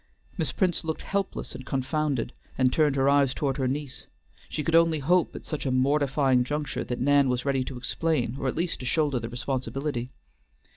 Miss Prince looked helpless and confounded, and turned her eyes toward her niece. She could only hope at such a mortifying juncture that Nan was ready to explain, or at least to shoulder the responsibility.